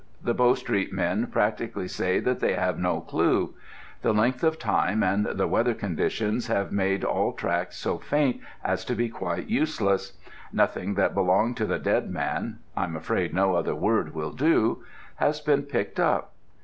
The Bow Street men practically say that they have no clue. The length of time and the weather conditions have made all tracks so faint as to be quite useless: nothing that belonged to the dead man I'm afraid no other word will do has been picked up.